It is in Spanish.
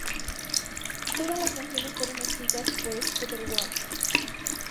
Todas las canciones fueron escritas por Scooter Ward